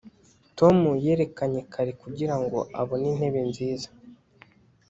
tom yerekanye kare kugirango abone intebe nziza